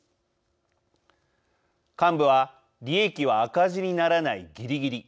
幹部は「利益は赤字にならないギリギリ。